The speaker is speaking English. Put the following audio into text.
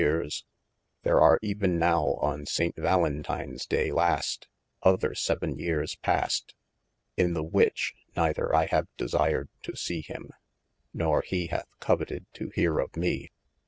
yeares, there are even now on saint Valentines day last, other vii. yeares passed, in the which (neither I have desired to see him) nor he hath coveted to here of me.